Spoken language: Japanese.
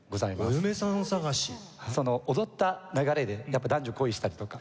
踊った流れでやっぱ男女恋したりとか。